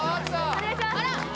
お願いします